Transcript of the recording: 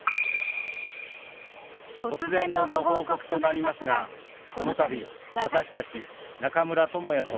突然のご報告となりますが、このたび、私たち、中村倫也と。